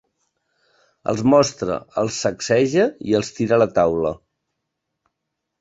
Els mostra, els sacseja i els tira a la taula.